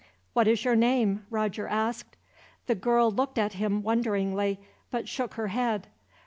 "What is your name?" Roger asked. The girl looked at him wonderingly, but shook her head.